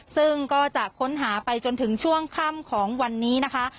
ซึ่งก็จะค้นหาไปจนถึงช่วงค่ำของวันนี้นะคะ